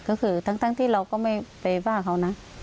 ก็คือทั้งที่เราก็ไม่ไปว่าเขานะ